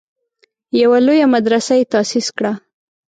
یوه لویه مدرسه یې تاسیس کړه.